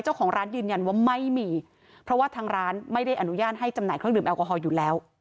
เจ้าของร้านยืนยันว่าไม่มีเพราะว่าทางร้านไม่ได้อนุญาตให้จำหน่ายเครื่องดื่มแอลกอฮอลอยู่แล้ว